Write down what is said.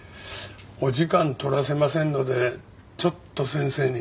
お時間取らせませんのでちょっと先生に。